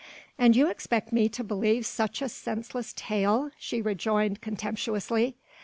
"And you expect me to believe such a senseless tale," she rejoined contemptuously.